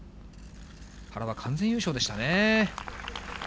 原は完全優勝でしたね。